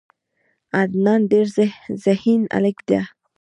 عدنان ډیر ذهین هلک ده.